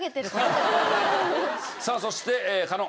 さあそして狩野。